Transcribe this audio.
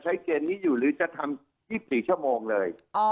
เกณฑ์นี้อยู่หรือจะทำ๒๔ชั่วโมงเลย